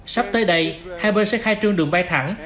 sắp tới đây hai bên sẽ khai trương đường bay thẳng